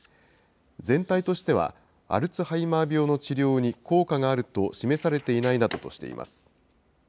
全体としては、アルツハイマー病の治療に効果があると示されていないなどとしています。